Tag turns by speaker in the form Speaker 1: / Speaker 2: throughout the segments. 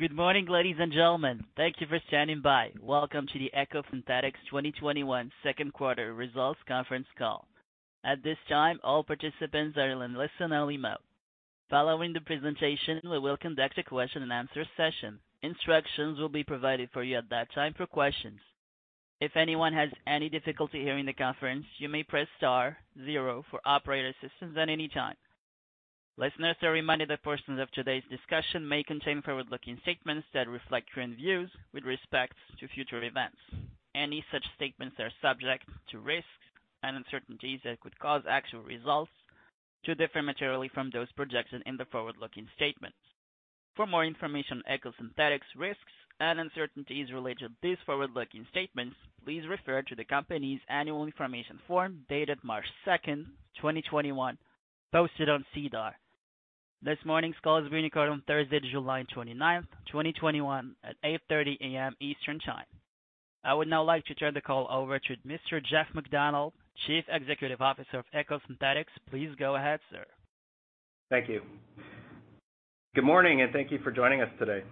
Speaker 1: Good morning, ladies and gentlemen. Thank you for standing by. Welcome to the EcoSynthetix 2021 second quarter results conference call. At this time, all participants are in listen-only mode. Following the presentation, we will conduct a question-and-answer session. Instructions will be provided for you at that time for questions. If anyone has any difficulty hearing the conference, you may press star zero for operator assistance at any time. Listeners are reminded that portions of today's discussion may contain forward-looking statements that reflect current views with respect to future events. Any such statements are subject to risks and uncertainties that could cause actual results to differ materially from those projected in the forward-looking statements. For more information on EcoSynthetix risks and uncertainties related to these forward-looking statements, please refer to the company's annual information form dated March 2nd, 2021, posted on SEDAR. This morning's call is being recorded on Thursday, July 29th, 2021, at 8:30 A.M. Eastern Time. I would now like to turn the call over to Mr. Jeff MacDonald, Chief Executive Officer of EcoSynthetix. Please go ahead, sir.
Speaker 2: Thank you. Good morning, and thank you for joining us today.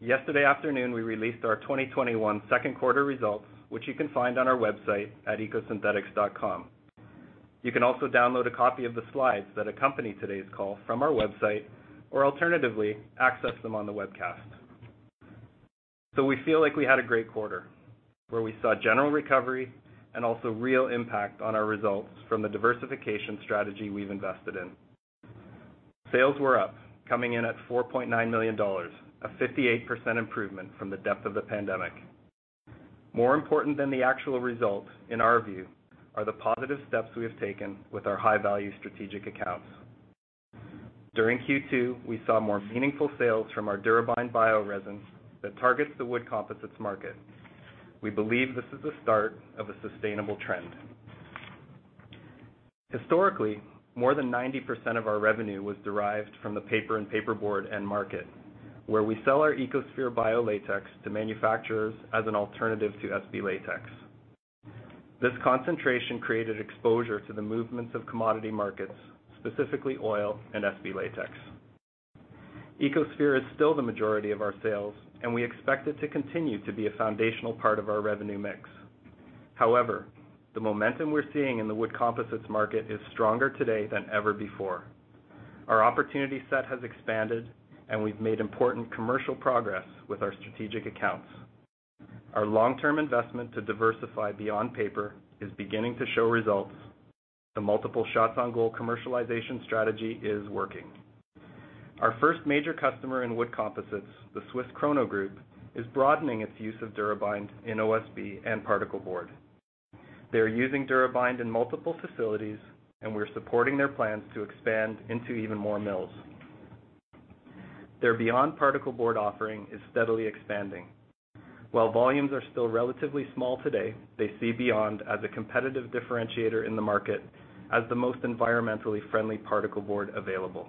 Speaker 2: Yesterday afternoon, we released our 2021 second quarter results, which you can find on our website at ecosynthetix.com. You can also download a copy of the slides that accompany today's call from our website, or alternatively, access them on the webcast. We feel like we had a great quarter, where we saw general recovery and also real impact on our results from the diversification strategy we've invested in. Sales were up, coming in at 4.9 million dollars, a 58% improvement from the depth of the pandemic. More important than the actual results, in our view, are the positive steps we have taken with our high-value strategic accounts. During Q2, we saw more meaningful sales from our DuraBind bioresins that target the wood composites market. We believe this is the start of a sustainable trend. Historically, more than 90% of our revenue was derived from the paper and paperboard end market, where we sell our EcoSphere bio-latex to manufacturers as an alternative to SB latex. This concentration created exposure to the movements of commodity markets, specifically oil and SB latex. EcoSphere is still the majority of our sales, and we expect it to continue to be a foundational part of our revenue mix. However, the momentum we're seeing in the wood composites market is stronger today than ever before. Our opportunity set has expanded, and we've made important commercial progress with our strategic accounts. Our long-term investment to diversify beyond paper is beginning to show results. The multiple shots-on-goal commercialization strategy is working. Our first major customer in wood composites, the Swiss Krono Group, is broadening its use of DuraBind in OSB and particleboard. They are using DuraBind in multiple facilities, and we're supporting their plans to expand into even more mills. Their BE.YOND particleboard offering is steadily expanding. While volumes are still relatively small today, they see BE.YOND as a competitive differentiator in the market as the most environmentally friendly particleboard available.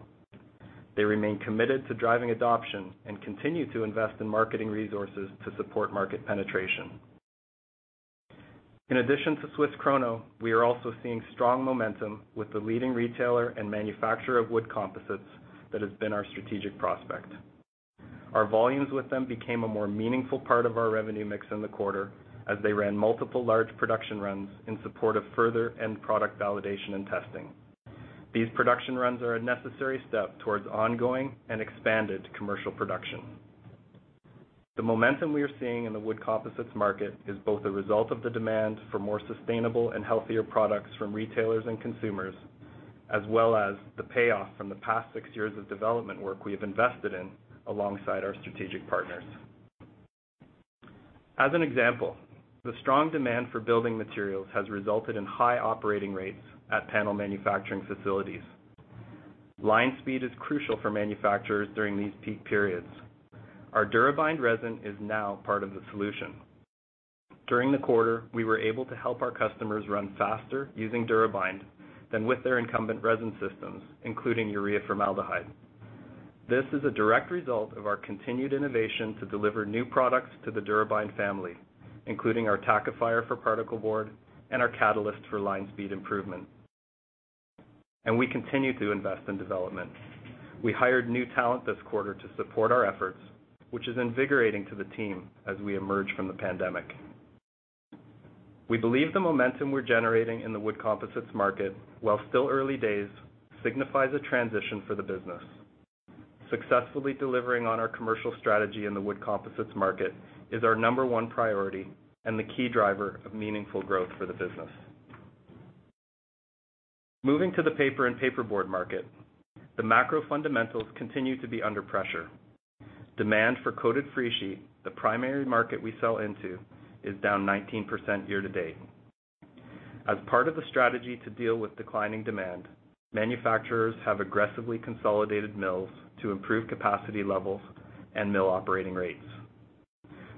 Speaker 2: They remain committed to driving adoption and continue to invest in marketing resources to support market penetration. In addition to Swiss Krono, we are also seeing strong momentum with the leading retailer and manufacturer of wood composites that has been our strategic prospect. Our volumes with them became a more meaningful part of our revenue mix in the quarter as they ran multiple large production runs in support of further end product validation and testing. These production runs are a necessary step towards ongoing and expanded commercial production. The momentum we are seeing in the wood composites market is both a result of the demand for more sustainable and healthier products from retailers and consumers, as well as the payoff from the past six years of development work we have invested in alongside our strategic partners. As an example, the strong demand for building materials has resulted in high operating rates at panel manufacturing facilities. Line speed is crucial for manufacturers during these peak periods. Our DuraBind resin is now part of the solution. During the quarter, we were able to help our customers run faster using DuraBind than with their incumbent resin systems, including urea formaldehyde. This is a direct result of our continued innovation to deliver new products to the DuraBind family, including our tackifier for particleboard and our catalyst for line speed improvement. We continue to invest in development. We hired new talent this quarter to support our efforts, which is invigorating to the team as we emerge from the pandemic. We believe the momentum we're generating in the wood composites market, while still early days, signifies a transition for the business. Successfully delivering on our commercial strategy in the wood composites market is our number one priority and the key driver of meaningful growth for the business. Moving to the paper and paperboard market, the macro fundamentals continue to be under pressure. Demand for coated free sheet, the primary market we sell into, is down 19% year-to-date. As part of the strategy to deal with declining demand, manufacturers have aggressively consolidated mills to improve capacity levels and mill operating rates.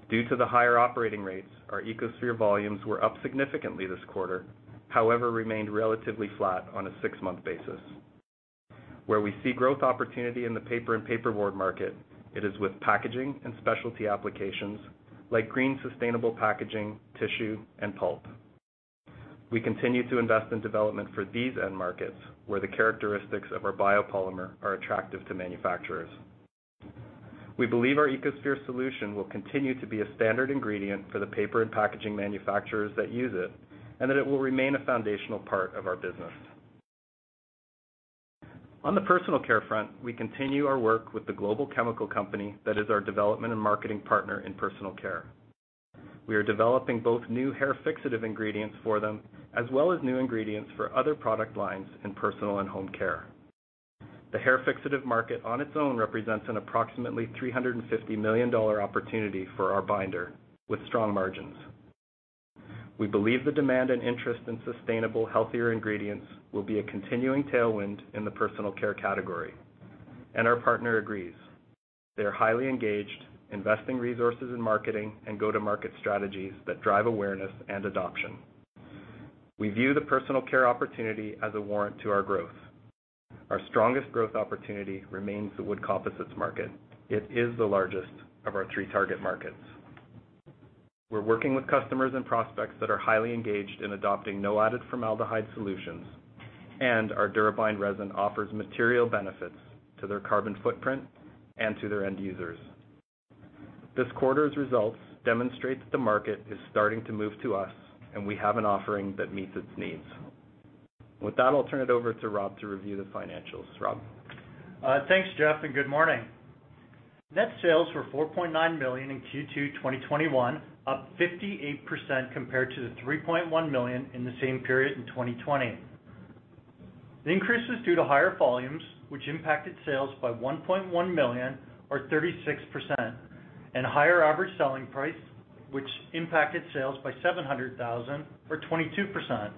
Speaker 2: Due to the higher operating rates, our EcoSphere volumes were up significantly this quarter; however, they remained relatively flat on a six-month basis. Where we see growth opportunity in the paper and paperboard market, it is with packaging and specialty applications like green sustainable packaging, tissue, and pulp. We continue to invest in development for these end markets, where the characteristics of our biopolymer are attractive to manufacturers. We believe our EcoSphere solution will continue to be a standard ingredient for the paper and packaging manufacturers that use it and that it will remain a foundational part of our business. On the personal care front, we continue our work with the global chemical company that is our development and marketing partner in personal care. We are developing both new hair fixative ingredients for them, as well as new ingredients for other product lines in personal and home care. The hair fixative market on its own represents an approximately 350 million dollar opportunity for our binder, with strong margins. We believe the demand and interest in sustainable, healthier ingredients will be a continuing tailwind in the personal care category, and our partner agrees. They're highly engaged, investing resources in marketing and go-to-market strategies that drive awareness and adoption. We view the personal care opportunity as a warrant to our growth. Our strongest growth opportunity remains the wood composites market. It is the largest of our three target markets. We're working with customers and prospects that are highly engaged in adopting no added formaldehyde solutions, and our DuraBind resin offers material benefits to their carbon footprint and to their end users. This quarter's results demonstrate that the market is starting to move to us, and we have an offering that meets its needs. With that, I'll turn it over to Rob to review the financials. Rob?
Speaker 3: Thanks, Jeff, and good morning. Net sales were 4.9 million in Q2 2021, up 58% compared to the 3.1 million in the same period in 2020. The increase was due to higher volumes, which impacted sales by 1.1 million, or 36%, and a higher average selling price, which impacted sales by 700,000, or 22%.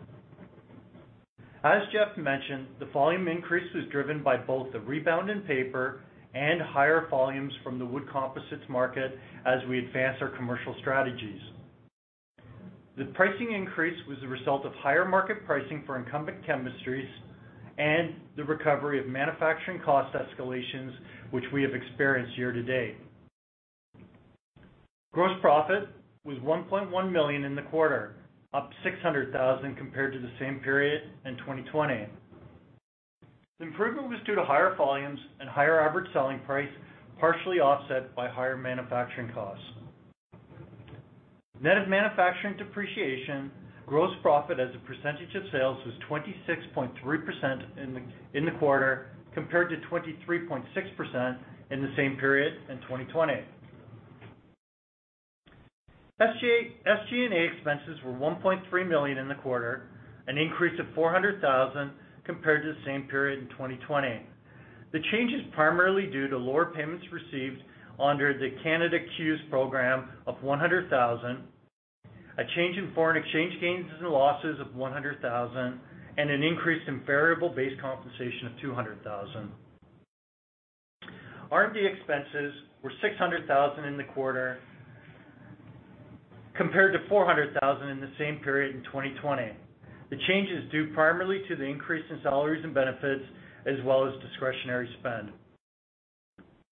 Speaker 3: As Jeff mentioned, the volume increase was driven by both the rebound in paper and higher volumes from the wood composites market as we advance our commercial strategies. The pricing increase was the result of higher market pricing for incumbent chemistries and the recovery of manufacturing cost escalations, which we have experienced year to date. Gross profit was 1.1 million in the quarter, up 600,000 compared to the same period in 2020. The improvement was due to higher volumes and higher average selling prices, partially offset by higher manufacturing costs. Net of manufacturing depreciation, gross profit as a percentage of sales was 26.3% in the quarter, compared to 23.6% in the same period in 2020. SG&A expenses were 1.3 million in the quarter, an increase of 400,000 compared to the same period in 2020. The change is primarily due to lower payments received under the Canada CEWS program of 100,000, a change in foreign exchange gains and losses of 100,000, and an increase in variable base compensation of 200,000. R&D expenses were 600,000 in the quarter, compared to 400,000 in the same period in 2020. The change is due primarily to the increase in salaries and benefits as well as discretionary spend.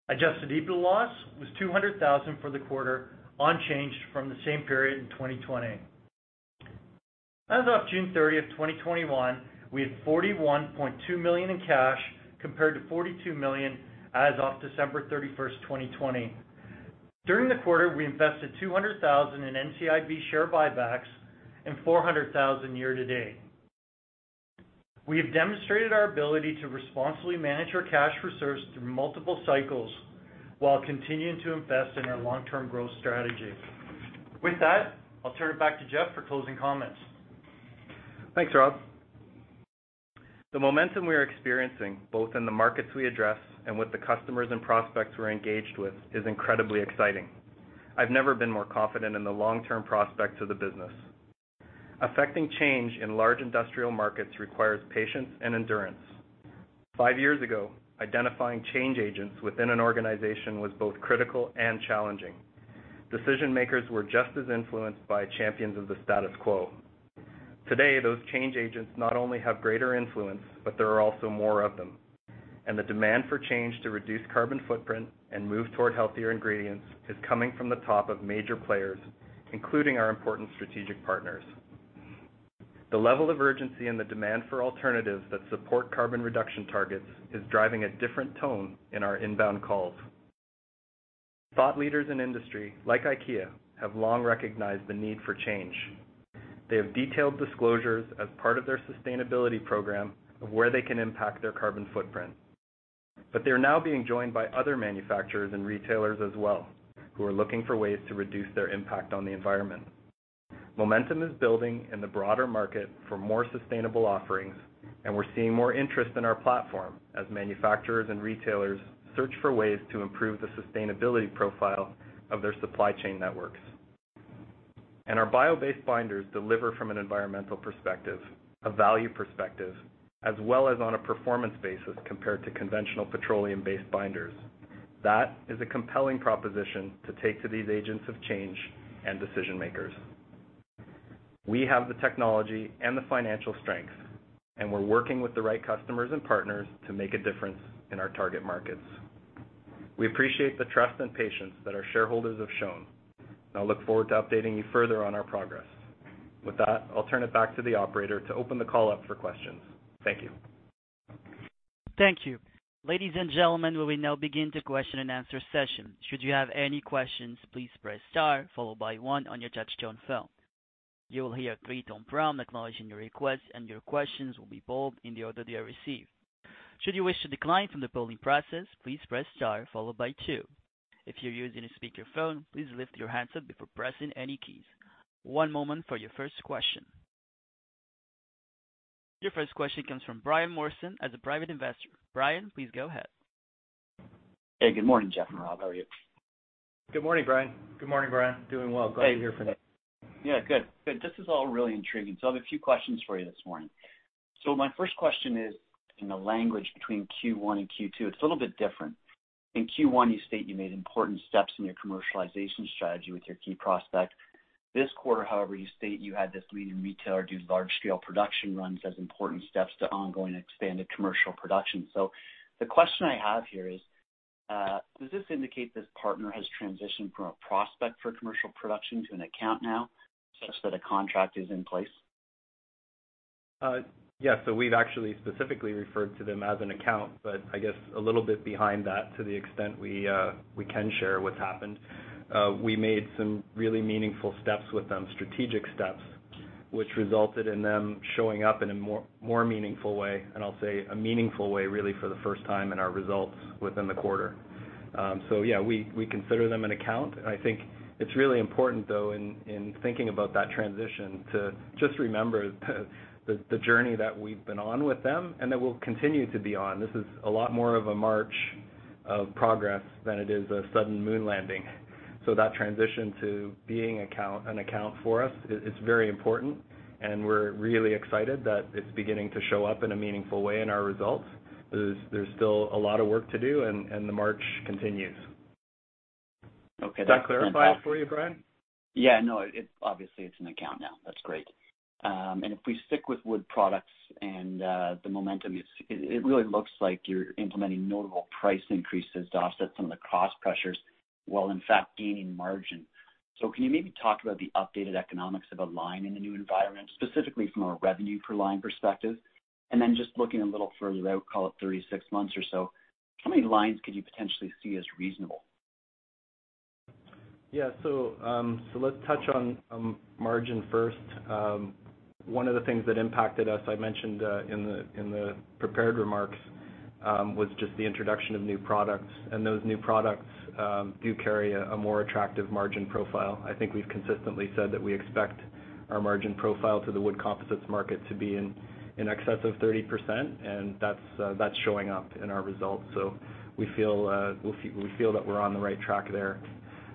Speaker 3: Adjusted EBITDA loss was 200,000 for the quarter, unchanged from the same period in 2020. As of June 30th, 2021, we had 41.2 million in cash compared to 42 million as of December 31st, 2020. During the quarter, we invested 200,000 in NCIB share buybacks and 400,000 year to date. We have demonstrated our ability to responsibly manage our cash reserves through multiple cycles while continuing to invest in our long-term growth strategy. With that, I'll turn it back to Jeff for closing comments.
Speaker 2: Thanks, Rob. The momentum we are experiencing, both in the markets we address and with the customers and prospects we're engaged with, is incredibly exciting. I've never been more confident in the long-term prospects of the business. Effecting change in large industrial markets requires patience and endurance. Five years ago, identifying change agents within an organization was both critical and challenging. Decision-makers were just as influenced by champions of the status quo. Today, those change agents not only have greater influence, but there are also more of them. The demand for change to reduce carbon footprint and move toward healthier ingredients is coming from the top of major players, including our important strategic partners. The level of urgency and the demand for alternatives that support carbon reduction targets is driving a different tone in our inbound calls. Thought leaders in industry, like IKEA, have long recognized the need for change. They have detailed disclosures as part of their sustainability program of where they can impact their carbon footprint. They are now being joined by other manufacturers and retailers as well, who are looking for ways to reduce their impact on the environment. Momentum is building in the broader market for more sustainable offerings, and we're seeing more interest in our platform as manufacturers and retailers search for ways to improve the sustainability profile of their supply chain networks. Our bio-based binders deliver, from an environmental perspective, a value perspective, as well as on a performance basis compared to conventional petroleum-based binders. That is a compelling proposition to take to these agents of change and decision-makers. We have the technology and the financial strength. We're working with the right customers and partners to make a difference in our target markets. We appreciate the trust and patience that our shareholders have shown. I look forward to updating you further on our progress. With that, I'll turn it back to the operator to open the call up for questions. Thank you.
Speaker 1: Thank you. Ladies and gentlemen, we will now begin the question-and-answer session. Should you have any questions, please press star followed by one on your touch-tone phone. You will hear a three-tone prompt acknowledging your request, and your questions will be polled in the order they are received. Should you wish to decline from the polling process, please press star followed by two. If you're using a speakerphone, please lift your handset before pressing any keys. One moment for your first question. Your first question comes from Brian Morrison as a private investor. Brian, please go ahead.
Speaker 4: Hey, good morning, Jeff and Rob. How are you?
Speaker 2: Good morning, Brian.
Speaker 3: Good morning, Brian. Doing well. Glad you're here today.
Speaker 4: Yeah, good. This is all really intriguing. I have a few questions for you this morning. My first question is, in the language between Q1 and Q2, it's a little bit different. In Q1, you state you made important steps in your commercialization strategy with your key prospect. This quarter, however, you state you had this leading retailer do large-scale production runs as important steps to ongoing expanded commercial production. The question I have here is, does this indicate this partner has transitioned from a prospect for commercial production to an account now, such that a contract is in place?
Speaker 2: Yes. We've actually specifically referred to them as an account, but I guess a little bit behind that, to the extent we can share what's happened, we made some really meaningful steps with them, strategic steps, which resulted in them showing up in a more meaningful way, and I'll say a meaningful way, really for the first time in our results within the quarter. Yeah, we consider them an account. I think it's really important, though, in thinking about that transition, to just remember the journey that we've been on with them and that we'll continue to be on. This is a lot more of a march of progress than it is a sudden moon landing. That transition to being an account for us is very important, and we're really excited that it's beginning to show up in a meaningful way in our results. There's still a lot of work to do, and the march continues.
Speaker 4: Okay.
Speaker 2: Does that clarify it for you, Brian?
Speaker 4: Yeah. No, obviously it's an account now. That's great. If we stick with wood products and the momentum, it really looks like you're implementing notable price increases to offset some of the cost pressures, while in fact gaining margin. Can you maybe talk about the updated economics of a line in the new environment, specifically from a revenue per line perspective? Then just looking a little further out, call it 36 months or so, how many lines could you potentially see as reasonable?
Speaker 2: Let's touch on margin first. One of the things that impacted us, I mentioned in the prepared remarks, was just the introduction of new products, and those new products do carry a more attractive margin profile. I think we've consistently said that we expect our margin profile in the wood composites market to be in excess of 30%, and that's showing up in our results. We feel that we're on the right track there.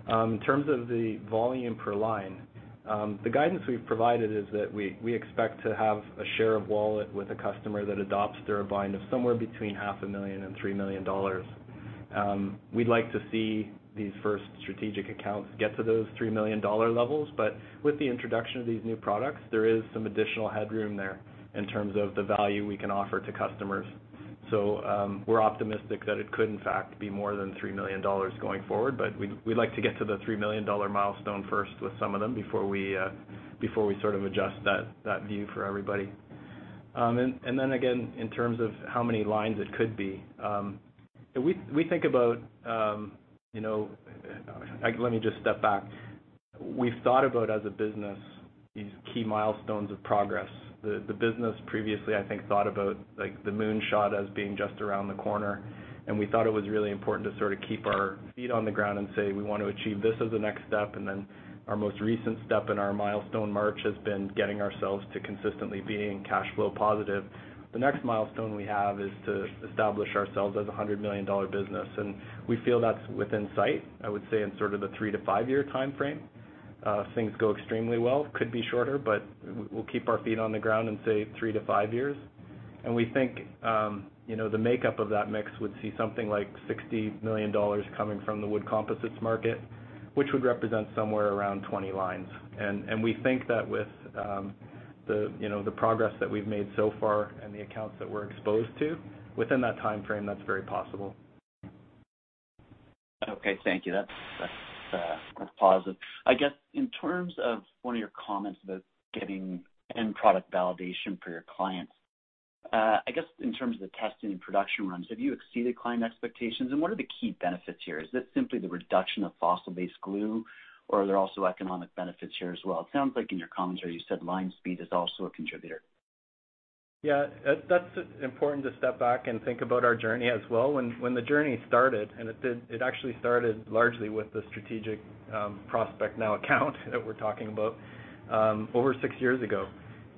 Speaker 2: In terms of the volume per line, the guidance we've provided is that we expect to have a share of wallet with a customer that adopts DuraBind of somewhere between CAD half a million and 3 million dollars. We'd like to see these first strategic accounts get to those 3 million dollar levels. With the introduction of these new products, there is some additional headroom there in terms of the value we can offer to customers. We're optimistic that it could, in fact, be more than 3 million dollars going forward, but we'd like to get to the 3 million dollar milestone first with some of them before we sort of adjust that view for everybody. Then again, in terms of how many lines it could be. Let me just step back. We've thought about, as a business, these key milestones of progress. The business previously, I think, thought about the moonshot as being just around the corner, and we thought it was really important to sort of keep our feet on the ground and say, We want to achieve this as the next step, and then our most recent step in our milestone march has been getting ourselves to consistently be cash flow positive. The next milestone we have is to establish ourselves as a 100 million dollar business, and we feel that's within sight, I would say in sort of the three-five-year timeframe. If things go extremely well, could be shorter, but we'll keep our feet on the ground and say three-five years. We think the makeup of that mix would see something like 60 million dollars coming from the wood composites market, which would represent somewhere around 20 lines. We think that with the progress that we've made so far and the accounts that we're exposed to, within that timeframe, that's very possible.
Speaker 4: Okay, thank you. That's positive. I guess in terms of one of your comments about getting end product validation for your clients, I guess in terms of the testing and production runs, have you exceeded client expectations, and what are the key benefits here? Is it simply the reduction of fossil-based glue, or are there also economic benefits here as well? It sounds like in your commentary, you said line speed is also a contributor.
Speaker 2: Yeah, it is important to step back and think about our journey as well. When the journey started, it actually started largely with the strategic prospect, now account, that we are talking about, over six years ago.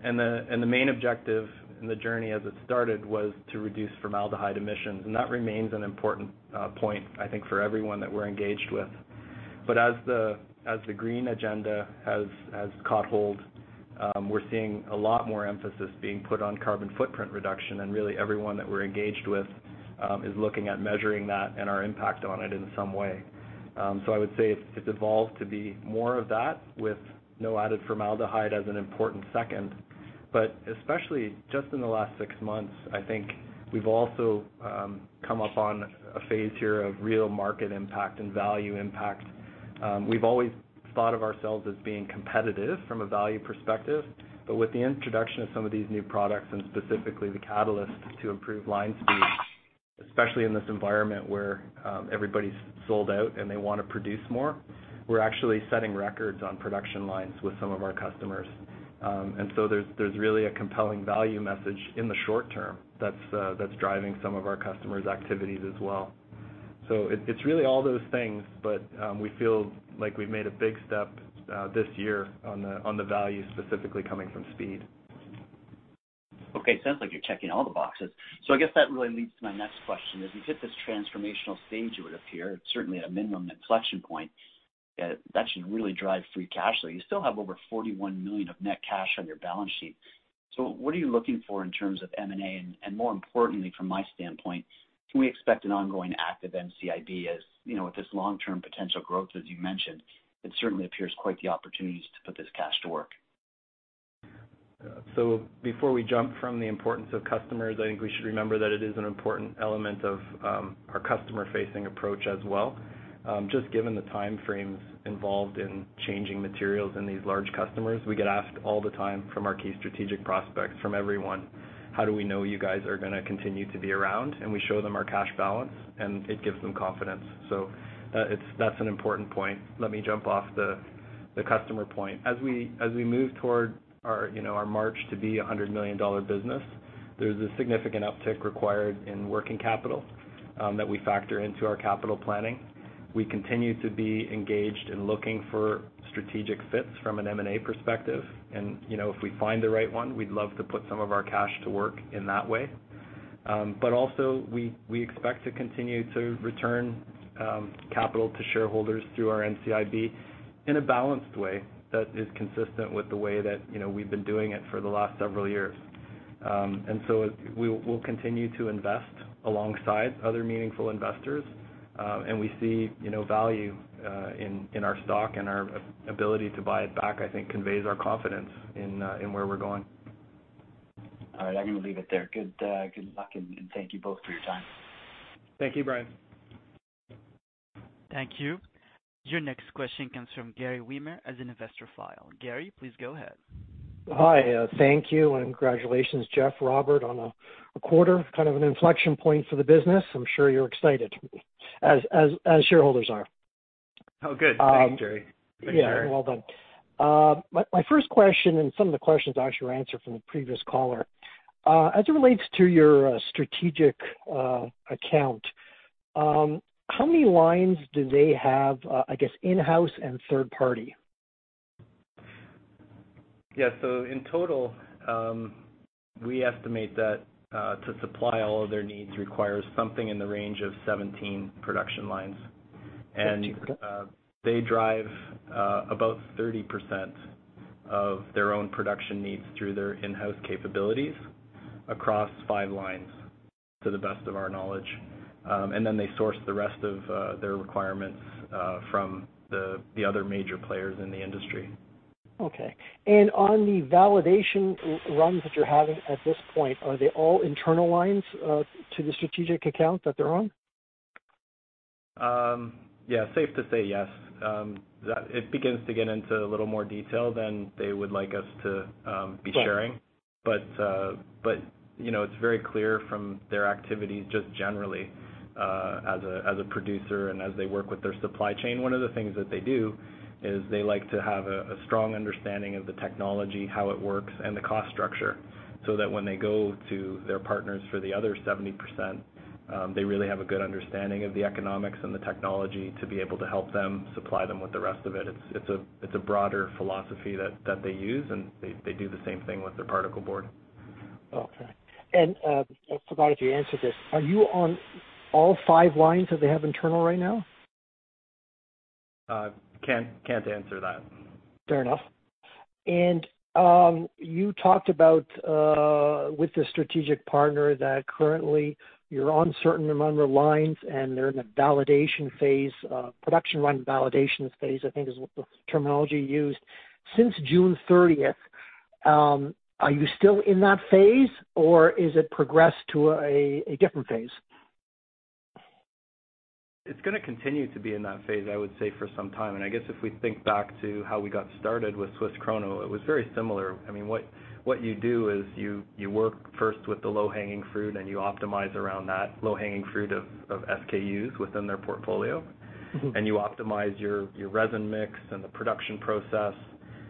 Speaker 2: The main objective in the journey as it started was to reduce formaldehyde emissions. That remains an important point, I think, for everyone that we are engaged with. As the green agenda has caught hold, we are seeing a lot more emphasis being put on carbon footprint reduction, and really everyone that we are engaged with is looking at measuring that and our impact on it in some way. I would say it has evolved to be more of that, with no added formaldehyde as an important second. Especially just in the last six months, I think we have also come up on a phase here of real market impact and value impact. We've always thought of ourselves as being competitive from a value perspective, but with the introduction of some of these new products, and specifically the catalyst to improve line speed, especially in this environment where everybody's sold out and they want to produce more, we're actually setting records on production lines with some of our customers. There's really a compelling value message in the short term that's driving some of our customers' activities as well. It's really all those things, but we feel like we've made a big step this year on the value specifically coming from speed.
Speaker 4: Okay. Sounds like you're checking all the boxes. I guess that really leads to my next question. As you hit this transformational stage, it would appear, certainly at a minimum inflection point, that it should really drive free cash flow. You still have over 41 million of net cash on your balance sheet. What are you looking for in terms of M&A? More importantly, from my standpoint, can we expect an ongoing active NCIB? As with this long-term potential growth as you mentioned, it certainly appears quite the opportunities to put this cash to work.
Speaker 2: Before we jump from the importance of customers, I think we should remember that it is an important element of our customer-facing approach as well. Just given the timeframes involved in changing materials in these large customers, we get asked all the time from our key strategic prospects, from everyone, How do we know you guys are going to continue to be around? We show them our cash balance, and it gives them confidence. That's an important point. Let me jump off the customer point. As we move toward our march to be a 100 million dollar business, there's a significant uptick required in working capital that we factor into our capital planning. We continue to be engaged in looking for strategic fits from an M&A perspective. If we find the right one, we'd love to put some of our cash to work in that way. Also, we expect to continue to return capital to shareholders through our NCIB in a balanced way that is consistent with the way that we've been doing it for the last several years. We'll continue to invest alongside other meaningful investors. We see value in our stock, and our ability to buy it back, I think, conveys our confidence in where we're going.
Speaker 4: All right. I'm going to leave it there. Good luck, and thank you both for your time.
Speaker 3: Thank you, Brian.
Speaker 1: Thank you. Your next question comes from Gerry Wimmer, a private investor. Gerry, please go ahead.
Speaker 5: Hi. Thank you, and congratulations, Jeff and Robert, on a quarter, kind of an inflection point for the business. I'm sure you're excited, as shareholders are.
Speaker 2: Oh, good. Thanks, Gerry.
Speaker 5: Yeah, well done. My first question, and some of the questions, actually were answered from the previous caller. As it relates to your strategic account, how many lines do they have, I guess, in-house and third-party?
Speaker 2: Yeah. In total, we estimate that to supply all of their needs requires something in the range of 17 production lines.
Speaker 5: 17.
Speaker 2: They drive about 30% of their own production needs through their in-house capabilities across five lines, to the best of our knowledge. Then they source the rest of their requirements from the other major players in the industry.
Speaker 5: Okay. On the validation runs that you're having at this point, are they all internal lines to the strategic account that they're on?
Speaker 2: Yeah. Safe to say yes. It begins to get into a little more detail than they would like us to be sharing.
Speaker 5: Sure.
Speaker 2: It's very clear from their activities, just generally, as a producer, and as they work with their supply chain, one of the things that they do is they like to have a strong understanding of the technology, how it works, and the cost structure so that when they go to their partners for the other 70%, they really have a good understanding of the economics and the technology to be able to help them supply them with the rest of it. It's a broader philosophy that they use, and they do the same thing with their particleboard.
Speaker 5: Okay. I forgot if you answered this. Are you on all five lines that they have internal right now?
Speaker 2: Can't answer that.
Speaker 5: Fair enough. You talked about, with the strategic partner, that currently you're on a certain number of lines, and they're in a validation phase, production run validation phase, I think is what the terminology you used. Since June 30th, are you still in that phase, or has it progressed to a different phase?
Speaker 2: It's gonna continue to be in that phase, I would say, for some time. I guess if we think back to how we got started with Swiss Krono, it was very similar. What you do is you work first with the low-hanging fruit, and you optimize around that low-hanging fruit of SKUs within their portfolio. You optimize your resin mix and the production process,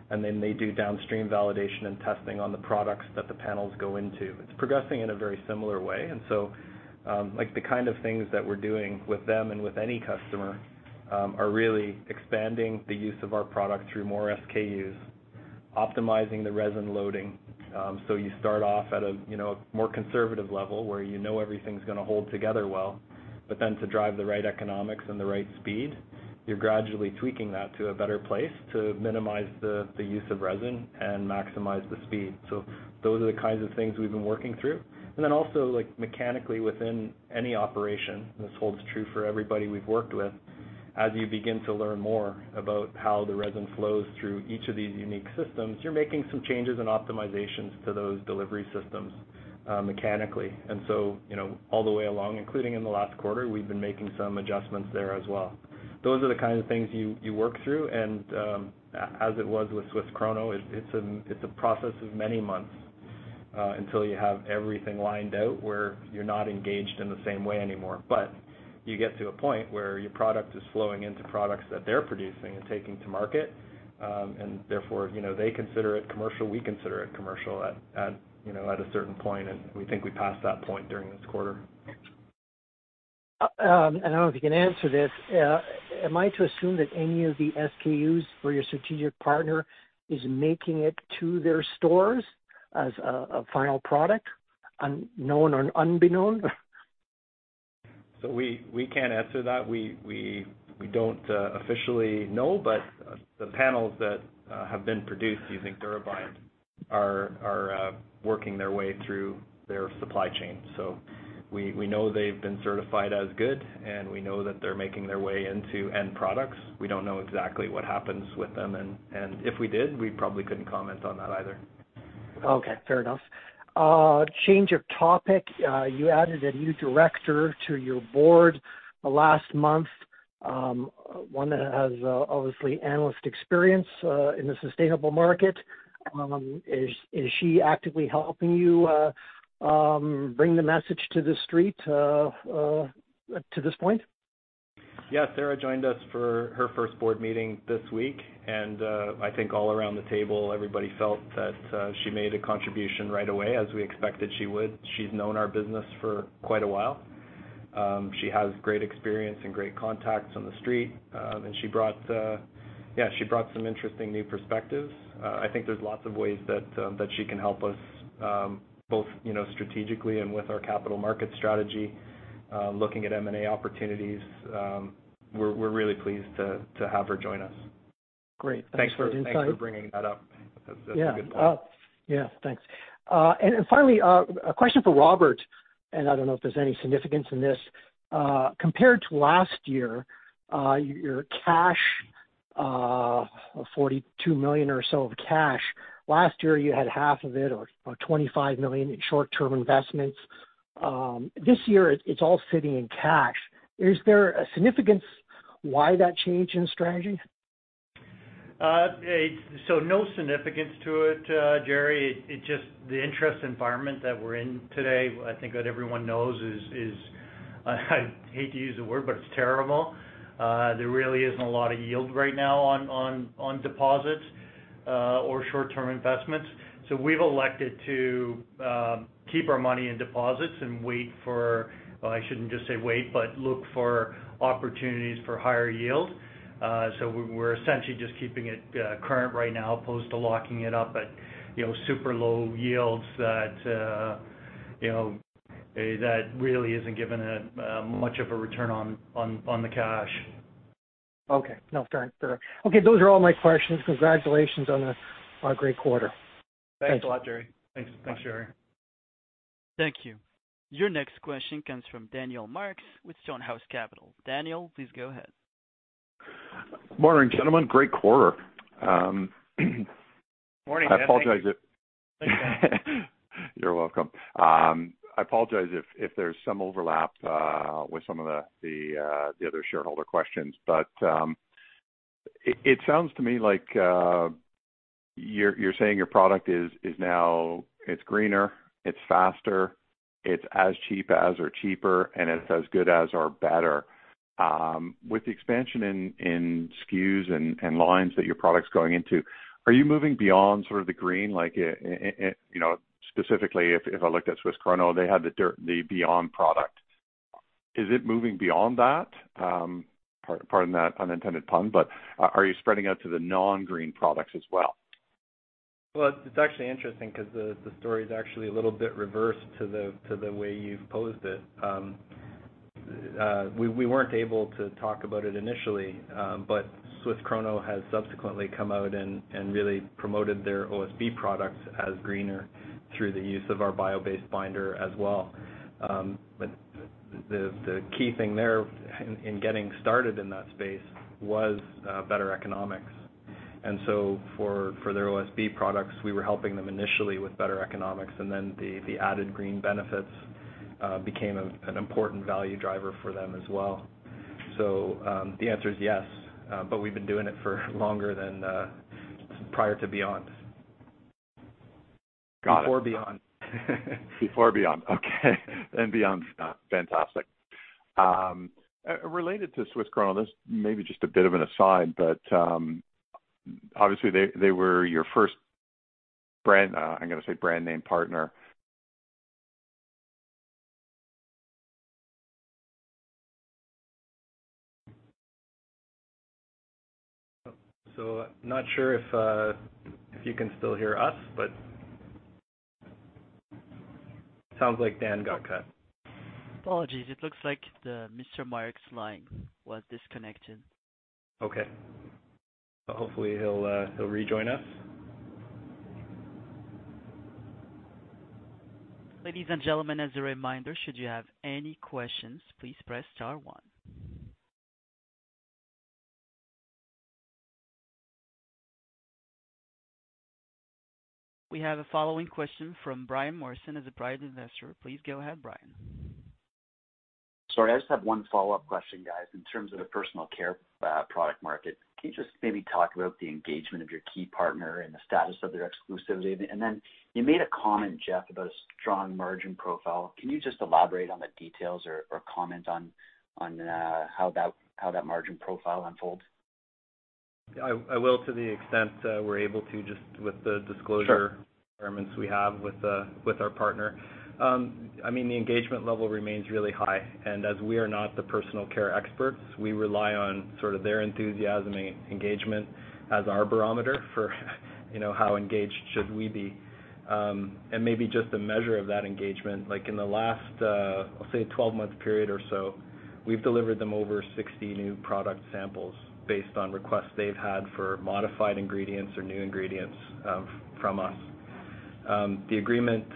Speaker 2: and then they do downstream validation and testing on the products that the panels go into. It's progressing in a very similar way. The kind of things that we're doing with them and with any customer are really expanding the use of our product through more SKUs, optimizing the resin loading. You start off at a more conservative level where you know everything's gonna hold together well. To drive the right economics and the right speed, you're gradually tweaking that to a better place to minimize the use of resin and maximize the speed. Those are the kinds of things we've been working through. Also mechanically within any operation, this holds true for everybody we've worked with. As you begin to learn more about how the resin flows through each of these unique systems, you're making some changes and optimizations to those delivery systems mechanically. All the way along, including in the last quarter, we've been making some adjustments there as well. Those are the kinds of things you work through, and as it was with Swiss Krono, it's a process of many months until you have everything lined out where you're not engaged in the same way anymore, but you get to a point where your product is flowing into products that they're producing and taking to market. Therefore, they consider it commercial; we consider it commercial at a certain point, and we think we passed that point during this quarter.
Speaker 5: I don't know if you can answer this. Am I to assume that any of the SKUs for your strategic partner is making it to their stores as a final product? Known or unbeknown?
Speaker 2: We can't answer that. We don't officially know, but the panels that have been produced using DuraBind are working their way through their supply chain. We know they've been certified as good, and we know that they're making their way into end products. We don't know exactly what happens with them, and if we did, we probably couldn't comment on that either.
Speaker 5: Okay. Fair enough. Change of topic. You added a new director to your board last month, one that has obvious analyst experience in the sustainable market. Is she actively helping you bring the message to the street to this point?
Speaker 2: Sarah joined us for her first board meeting this week. I think all around the table, everybody felt that she made a contribution right away as we expected she would. She's known our business for quite a while. She has great experience and great contacts on the street. She brought some interesting new perspectives. I think there are lots of ways that she can help us, both strategically and with our capital market strategy, looking at M&A opportunities. We're really pleased to have her join us.
Speaker 5: Great. Thanks for the insight.
Speaker 2: Thanks for bringing that up. That's a good point.
Speaker 5: Yeah. Thanks. Finally, a question for Robert, and I don't know if there's any significance in this. Compared to last year, your cash, 42 million or so, is in cash; last year you had half of it, or 25 million, in short-term investments. This year, it's all sitting in cash. Is there a significance to that change in strategy?
Speaker 3: No significance to it, Gerry. It's just the interest environment that we're in today, I think that everyone knows; I hate to use the word, but it's terrible. There really isn't a lot of yield right now on deposits or short-term investments. We've elected to keep our money in deposits and wait. I shouldn't just say wait, but look for opportunities for higher yield. We're essentially just keeping it current right now opposed to locking it up at super low yields that really isn't giving much of a return on the cash.
Speaker 5: No, fair. Those are all my questions. Congratulations on a great quarter.
Speaker 3: Thanks a lot, Gerry.
Speaker 2: Thanks, Gerry.
Speaker 1: Thank you. Your next question comes from Daniel Marks with Stonehouse Capital. Daniel, please go ahead.
Speaker 6: Morning, gentlemen. Great quarter.
Speaker 2: Morning, Dan. Thank you.
Speaker 6: I apologize if—
Speaker 3: Thanks, Dan.
Speaker 6: You're welcome. I apologize if there's some overlap with some of the other shareholder questions. It sounds to me like you're saying your product is now greener, it's faster, it's as cheap as or cheaper, and it's as good as or better. With the expansion in SKUs and lines that your product's going into, are you moving beyond sort of the green? Like, specifically, if I looked at Swiss Krono, they had the BE.YOND product. Is it moving beyond that? Pardon that unintended pun. Are you spreading out to the non-green products as well?
Speaker 2: Well, it's actually interesting because the story's actually a little bit reversed to the way you've posed it. We weren't able to talk about it initially; Swiss Krono has subsequently come out and really promoted their OSB products as greener through the use of our bio-based binder as well. The key thing there in getting started in that space was better economics. For their OSB products, we were helping them initially with better economics, and then the added green benefits became an important value driver for them as well. The answer is yes, but we've been doing it for longer than prior to BE.YOND.
Speaker 6: Got it.
Speaker 2: Before BE.YOND.
Speaker 6: Before BE.YOND. Okay. BE.YOND. Fantastic. Related to Swiss Krono, this may be just a bit of an aside; obviously, they were your first brand, I'm gonna say brand name partner.
Speaker 2: Not sure if you can still hear us, but sounds like Dan got cut.
Speaker 1: Apologies. It looks like Mr. Marks' line was disconnected.
Speaker 2: Okay. Hopefully he'll rejoin us.
Speaker 1: Ladies and gentlemen, as a reminder, should you have any questions, please press star one. We have a following question from Brian Morrison as a private investor. Please go ahead, Brian.
Speaker 4: Sorry, I just have one follow-up question, guys. In terms of the personal care product market, can you just maybe talk about the engagement of your key partner and the status of their exclusivity? Then you made a comment, Jeff, about a strong margin profile. Can you just elaborate on the details or comment on how that margin profile unfolds?
Speaker 2: I will, to the extent we're able to, just with the disclosure.
Speaker 4: Sure
Speaker 2: Requirements we have with our partner. The engagement level remains really high. As we are not the personal care experts, we rely on their enthusiasm and engagement as our barometer for how engaged we should be. Maybe just a measure of that engagement, like in the last, I'll say, 12-month period or so, we've delivered them over 60 new product samples based on requests they've had for modified ingredients or new ingredients from us. The agreement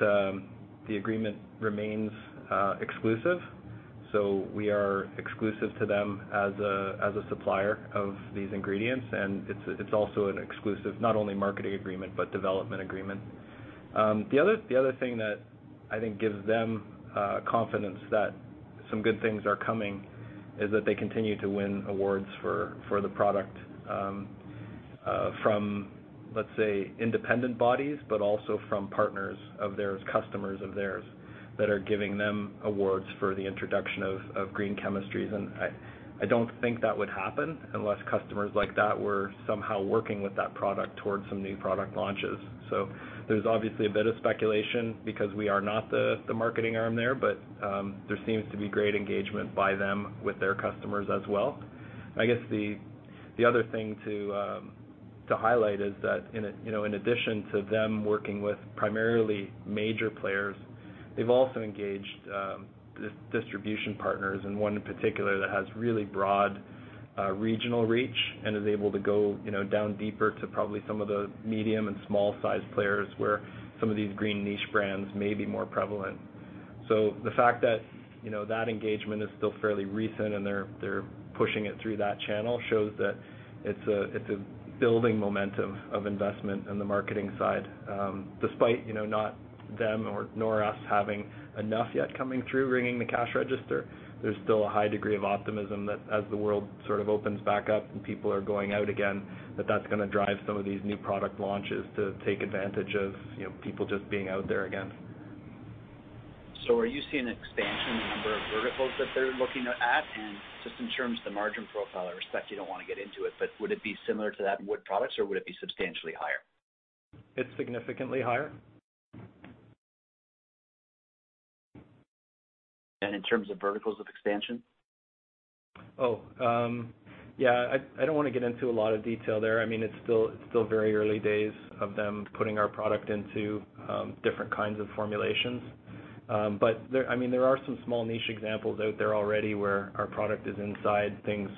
Speaker 2: remains exclusive. We are exclusive to them as a supplier of these ingredients. It's also an exclusive not only marketing agreement but development agreement. The other thing that I think gives them confidence that some good things are coming is that they continue to win awards for the product from, let's say, independent bodies, but also from partners of theirs, customers of theirs, that are giving them awards for the introduction of green chemistries. I don't think that would happen unless customers like that were somehow working with that product towards some new product launches. There's obviously a bit of speculation because we are not the marketing arm there, but there seems to be great engagement by them with their customers as well. I guess the other thing to highlight is that in addition to them working with primarily major players, they've also engaged distribution partners and one in particular that has really broad regional reach and is able to go down deeper to probably some of the medium and small-sized players where some of these green niche brands may be more prevalent. The fact that that engagement is still fairly recent and they're pushing it through that channel shows that it's building momentum of investment in the marketing side. Despite not them nor us having enough yet coming through ringing the cash register, there's still a high degree of optimism that as the world sort of opens back up and people are going out again, that's gonna drive some of these new product launches to take advantage of people just being out there again.
Speaker 4: Are you seeing an expansion in the number of verticals that they're looking at? Just in terms of the margin profile, I respect you don't want to get into it, but would it be similar to that of wood products, or would it be substantially higher?
Speaker 2: It's significantly higher.
Speaker 4: In terms of verticals of expansion?
Speaker 2: Oh, yeah, I don't want to get into a lot of detail there. It's still very early days of them putting our product into different kinds of formulations. There are some small niche examples out there already where our product is inside things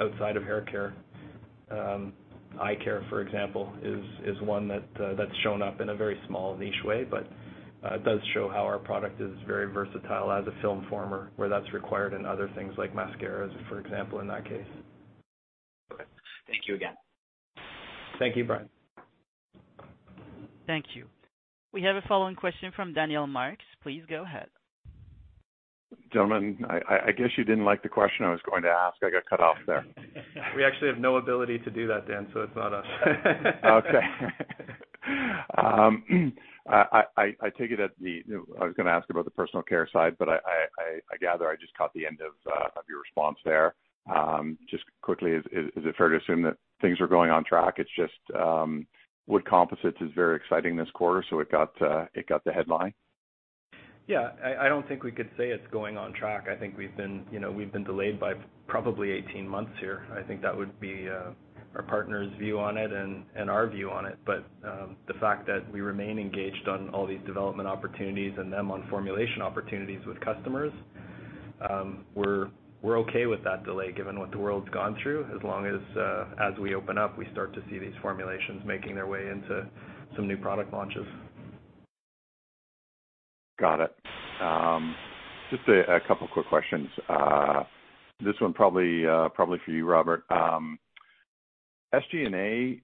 Speaker 2: outside of haircare. Eyecare, for example, is one that's shown up in a very small niche way, but it does show how our product is very versatile as a film former where that's required in other things, like mascaras, for example, in that case.
Speaker 4: Okay. Thank you again.
Speaker 2: Thank you, Brian.
Speaker 1: Thank you. We have a following question from Daniel Marks. Please go ahead.
Speaker 6: Gentlemen, I guess you didn't like the question I was going to ask. I got cut off there.
Speaker 2: We actually have no ability to do that, Dan. It's not us.
Speaker 6: Okay. I take it I was gonna ask about the personal care side, but I gather I just caught the end of your response there. Just quickly, is it fair to assume that things are going on track? It's just that wood composites are very exciting this quarter, so it got the headline?
Speaker 2: Yeah. I don't think we could say it's going on track. I think we've been delayed by probably 18 months here. I think that would be our partner's view on it and our view on it. The fact that we remain engaged on all these development opportunities and they on formulation opportunities with customers, we're okay with that delay given what the world's gone through as long as we open up; we start to see these formulations making their way into some new product launches.
Speaker 6: Got it. Just a couple quick questions. This one is probably for you, Robert. SG&A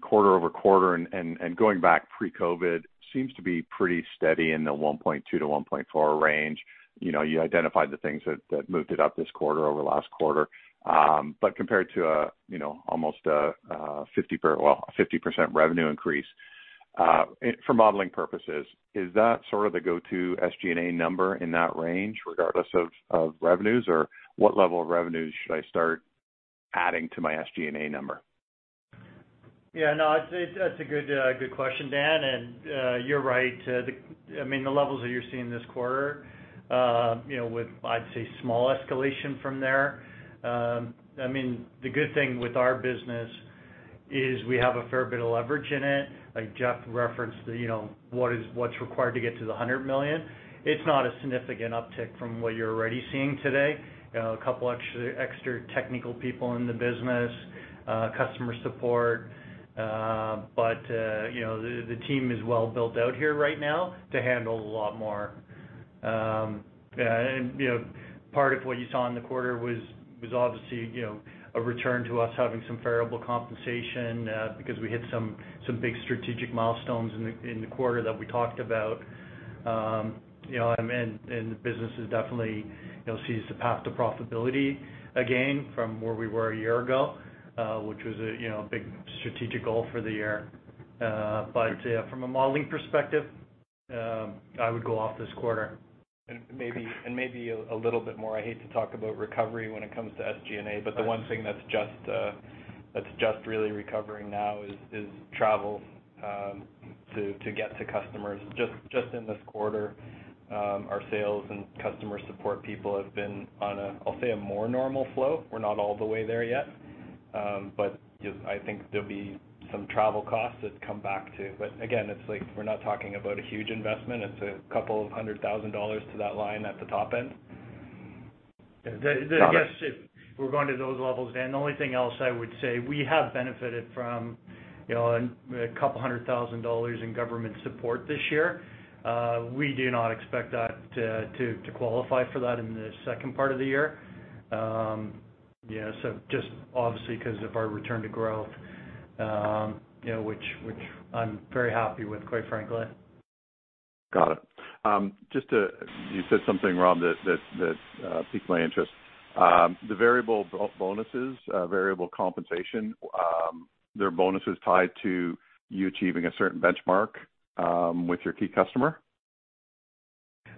Speaker 6: quarter-over-quarter and going back pre-COVID seem to be pretty steady in the 1.2 million-1.4 million range. You identified the things that moved it up this quarter over last quarter. Compared to almost a 50% revenue increase, for modeling purposes, is that sort of the go-to SG&A number in that range regardless of revenues? What level of revenues should I start adding to my SG&A number?
Speaker 3: Yeah, no, that's a good question, Dan, and you're right. The levels that you're seeing this quarter, with, I'd say, a small escalation from there. The good thing with our business is we have a fair bit of leverage in it. Like Jeff referenced, what's required to get to 100 million? It's not a significant uptick from what you're already seeing today. Two extra technical people in the business, customer support. The team is well built out here right now to handle a lot more. Part of what you saw in the quarter was obviously a return to us having some variable compensation, because we hit some big strategic milestones in the quarter that we talked about. The business definitely sees the path to profitability again from where we were a year ago, which was a big strategic goal for the year. From a modeling perspective, I would go off this quarter.
Speaker 2: Maybe a little bit more. I hate to talk about recovery when it comes to SG&A, but the one thing that's just really recovering now is travel to get to customers. Just in this quarter, our sales and customer support people have been on a, I'll say, a more normal flow. We're not all the way there yet. I think there'll be some travel costs that come back too. Again, it's like we're not talking about a huge investment. It's a couple of hundred thousand dollars to that line at the top end.
Speaker 3: Yes, if we're going to those levels, Dan, the only thing else I would say is that we have benefited from 200,000 dollars in government support this year. We do not expect to qualify for that in the second part of the year, just obviously because of our return to growth, which I'm very happy with, quite frankly.
Speaker 6: Got it. You said something, Rob, that piqued my interest. The variable bonuses and variable compensation—are they bonuses tied to you achieving a certain benchmark with your key customer?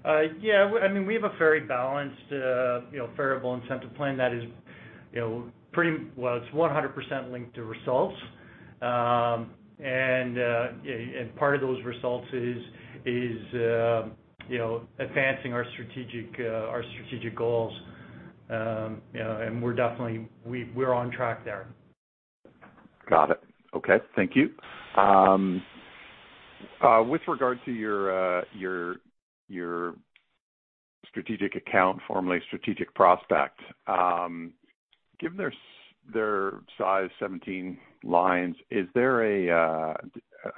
Speaker 3: Yeah. We have a very balanced variable incentive plan that is, well, it's 100% linked to results. Part of those results is advancing our strategic goals. We're definitely on track there.
Speaker 6: Got it. Okay. Thank you. With regard to your strategic account, formerly strategic prospect, given their size, 17 lines, are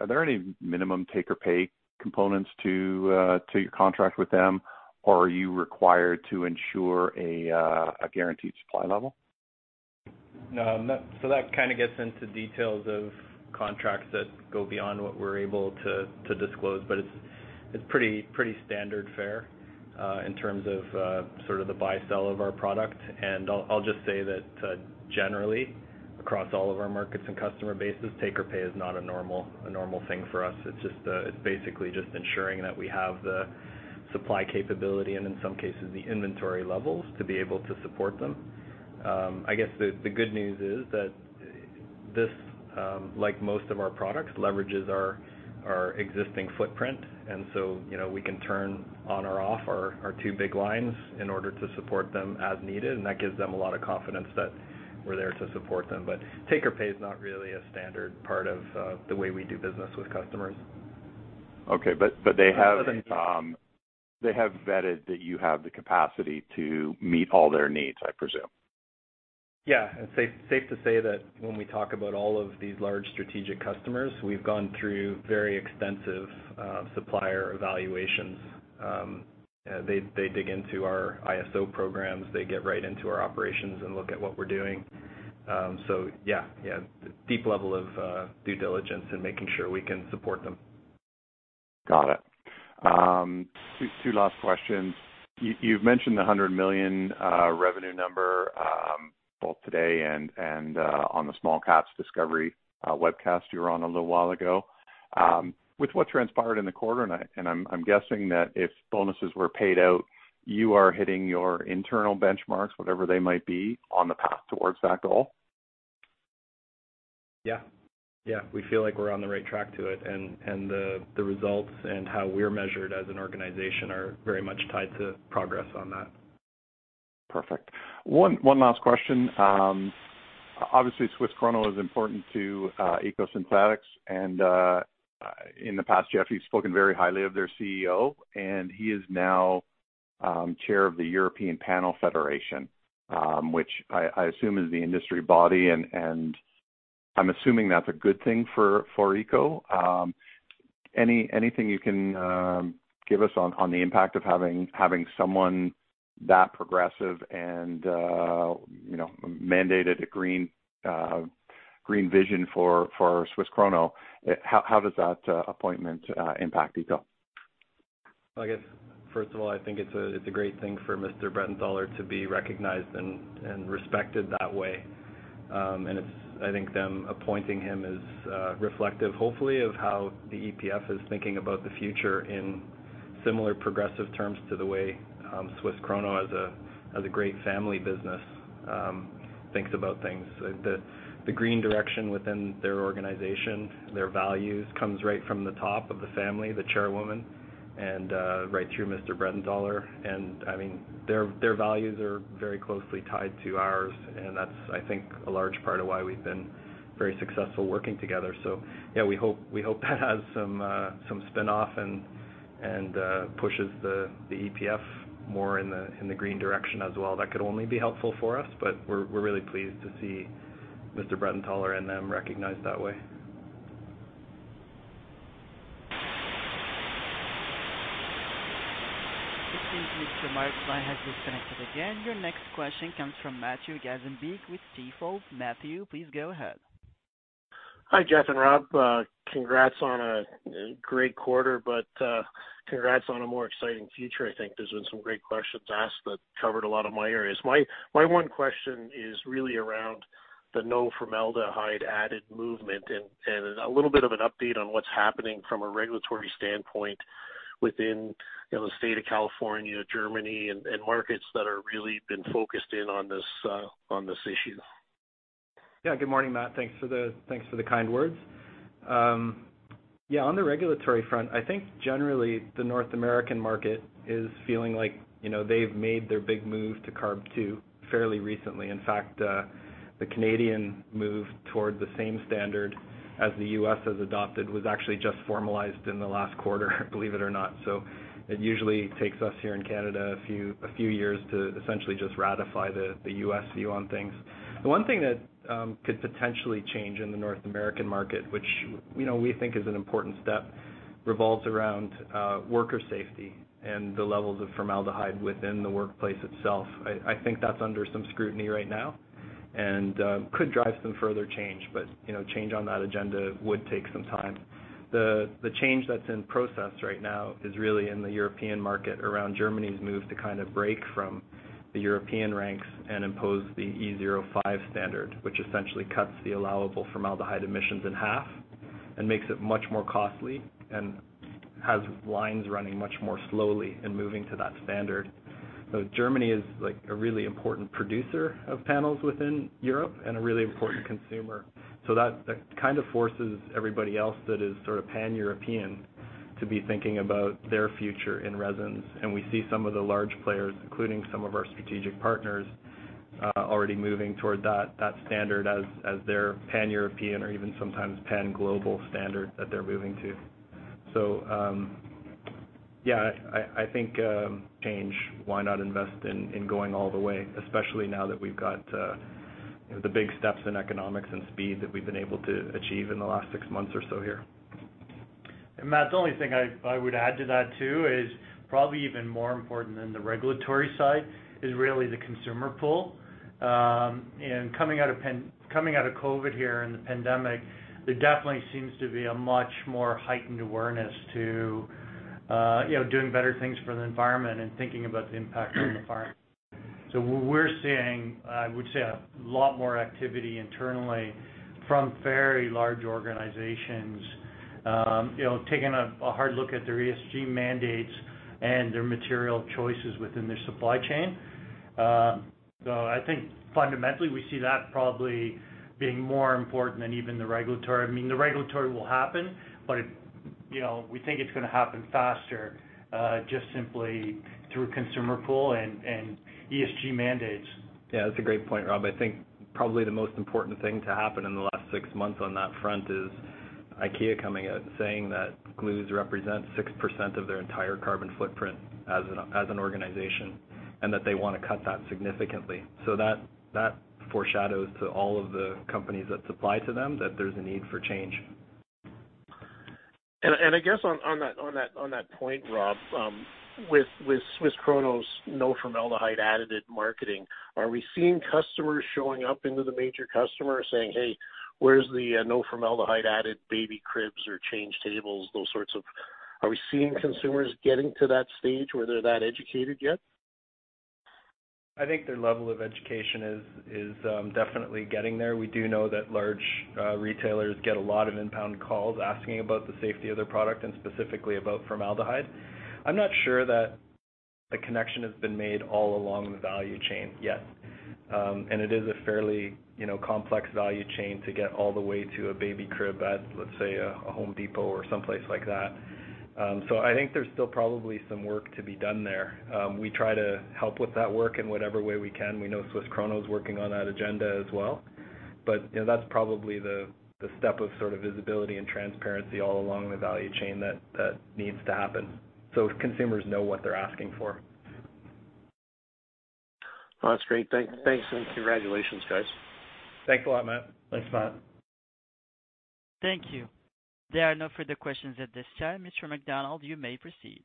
Speaker 6: there any minimum take or pay components to your contract with them, or are you required to ensure a guaranteed supply level?
Speaker 2: No. That kind of gets into details of contracts that go beyond what we're able to disclose. It's pretty standard fare in terms of sort of the buy-sell of our product. I'll just say that generally, across all of our markets and customer bases, take or pay is not a normal thing for us. It's basically just ensuring that we have the supply capability and, in some cases, the inventory levels to be able to support them. I guess the good news is that this, like most of our products, leverages our existing footprint; we can turn on or off our two big lines in order to support them as needed. That gives them a lot of confidence that we're there to support them. Take or pay is not really a standard part of the way we do business with customers.
Speaker 6: Okay. They have vetted that you have the capacity to meet all their needs, I presume.
Speaker 2: It's safe to say that when we talk about all of these large strategic customers, we've gone through very extensive supplier evaluations. They dig into our ISO programs; they get right into our operations and look at what we're doing. Deep level of due diligence and making sure we can support them.
Speaker 6: Got it. Two last questions. You've mentioned the 100 million revenue number, both today and on the SmallCap Discoveries webcast you were on a little while ago. With what transpired in the quarter, and I'm guessing that if bonuses were paid out, you are hitting your internal benchmarks, whatever they might be, on the path towards that goal?
Speaker 2: Yeah. We feel like we're on the right track to it, and the results and how we're measured as an organization are very much tied to progress on that.
Speaker 6: Perfect. One last question. Obviously, Swiss Krono is important to EcoSynthetix, and in the past, Jeff, you've spoken very highly of their CEO, and he is now chair of the European Panel Federation, which I assume is the industry body, and I'm assuming that's a good thing for Eco. Anything you can give us on the impact of having someone that progressive and mandated a green vision for Swiss Krono? How does that appointment impact Eco?
Speaker 2: I guess, first of all, I think it's a great thing for Mr. Brettenthaler to be recognized and respected that way. I think them appointing him is reflective, hopefully, of how the EPF is thinking about the future in similar progressive terms to the way Swiss Krono, as a great family business, thinks about things. The green direction within their organization, their values, comes right from the top of the family, the chairwoman, and right through Mr. Brettenthaler. Their values are very closely tied to ours, and that's, I think, a large part of why we've been very successful working together. Yeah, we hope that has some spinoff and pushes the EPF more in the green direction as well. That could only be helpful for us, but we're really pleased to see Mr. Brettenthaler and them recognized that way.
Speaker 1: It seems Mr. Marks has disconnected again. Your next question comes from Matthew Gaasenbeek with Stifel. Matthew, please go ahead.
Speaker 7: Hi, Jeff and Rob. Congrats on a great quarter, but congrats on a more exciting future. I think there have been some great questions asked that covered a lot of my areas. My one question is really around the no formaldehyde added movement and a little bit of an update on what is happening from a regulatory standpoint within the state of California, Germany, and markets that have really been focused in on this issue.
Speaker 2: Good morning, Matt. Thanks for the kind words. On the regulatory front, I think generally the North American market is feeling like they've made their big move to CARB2 fairly recently. In fact, the Canadian move toward the same standard as the U.S. has adopted was actually just formalized in the last quarter, believe it or not. It usually takes us here in Canada a few years to essentially just ratify the U.S. view on things. The one thing that could potentially change in the North American market, which we think is an important step, revolves around worker safety and the levels of formaldehyde within the workplace itself. I think that's under some scrutiny right now and could drive some further change. Change on that agenda would take some time. The change that's in process right now is really in the European market around Germany's move to kind of break from the European ranks and impose the E0.5 standard, which essentially cuts the allowable formaldehyde emissions in half and makes it much more costly and has lines running much more slowly in moving to that standard. Germany is a really important producer of panels within Europe and a really important consumer. That kind of forces everybody else that is sort of pan-European to be thinking about their future in resins. We see some of the large players, including some of our strategic partners, already moving toward that standard as their pan-European or even sometimes pan-global standard that they're moving to. Yeah, I think change, why not invest in going all the way, especially now that we've got the big steps in economics and speed that we've been able to achieve in the last six months or so here.
Speaker 3: Matt, the only thing I would add to that, too, is probably even more important than the regulatory side is really the consumer pull. Coming out of COVID here and the pandemic, there definitely seems to be a much more heightened awareness of doing better things for the environment and thinking about the impact on the environment. What we're seeing, I would say, is a lot more activity internally from very large organizations taking a hard look at their ESG mandates and their material choices within their supply chain. I think fundamentally, we see that probably being more important than even the regulatory. The regulatory will happen, but we think it's going to happen faster just simply through consumer pull and ESG mandates.
Speaker 2: Yeah, that's a great point, Rob. I think probably the most important thing to happen in the last 6 months on that front is IKEA coming out and saying that glues represent 6% of their entire carbon footprint as an organization and that they want to cut that significantly. That foreshadows to all of the companies that supply to them that there's a need for change.
Speaker 7: I guess on that point, Rob, with Swiss Krono's no-formaldehyde-added marketing, are we seeing customers showing up into the major customer saying, Hey, where are the no-formaldehyde-added baby cribs or change tables? Are we seeing consumers getting to that stage where they're that educated yet?
Speaker 2: I think their level of education is definitely getting there. We do know that large retailers get a lot of inbound calls asking about the safety of their product and specifically about formaldehyde. I'm not sure that the connection has been made all along the value chain yet. It is a fairly complex value chain to get all the way to a baby crib at, let's say, a Home Depot or someplace like that. I think there's still probably some work to be done there. We try to help with that work in whatever way we can. We know Swiss Krono's working on that agenda as well. That's probably the step of sort of visibility and transparency all along the value chain that needs to happen so consumers know what they're asking for.
Speaker 7: That's great. Thanks, and congratulations, guys.
Speaker 3: Thanks a lot, Matt.
Speaker 2: Thanks, Matt.
Speaker 1: Thank you. There are no further questions at this time. Mr. MacDonald, you may proceed.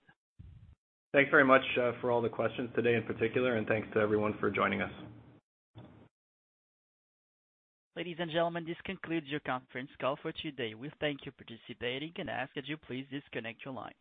Speaker 2: Thanks very much for all the questions today in particular, and thanks to everyone for joining us.
Speaker 1: Ladies and gentlemen, this concludes your conference call for today. We thank you for participating and ask that you please disconnect your line.